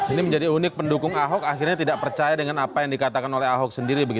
ini menjadi unik pendukung ahok akhirnya tidak percaya dengan apa yang dikatakan oleh ahok sendiri